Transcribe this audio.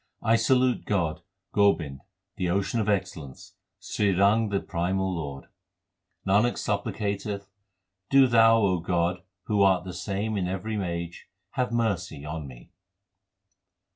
I salute God, Gobind, the Ocean of excellence, Srirang 1 the Primal Lord. Nanak supplicateth do Thou, O God, who art the same in every age have mercy on me.